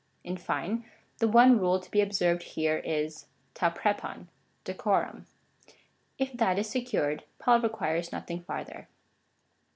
In fine, the one rule to be observed here is to irpeirov — decorum. If that is secured, Paul requires nothing farther.